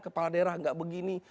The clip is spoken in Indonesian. kepala daerah nggak begini